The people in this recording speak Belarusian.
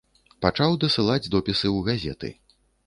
Пачаў дасылаць допісы ў газеты.